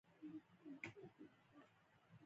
د لعل انګور د خوړلو لپاره غوره دي.